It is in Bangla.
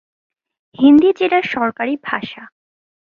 হিন্দি জেলার সরকারি ভাষা।